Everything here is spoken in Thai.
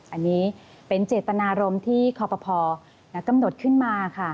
อันนี้เป็นเจตนารมณ์ที่คอปภกำหนดขึ้นมาค่ะ